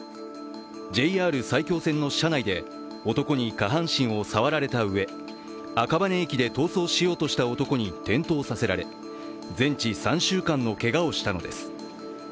ＪＲ埼京線の車内で男に下半身を触られたうえ赤羽駅で逃走しようとした男に転倒させられ全治３週間のけがをしたのです。